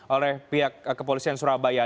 oleh pihak kepolisian surabaya